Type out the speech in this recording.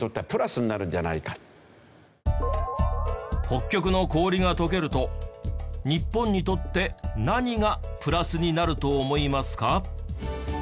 北極の氷が溶けると日本にとって何がプラスになると思いますか？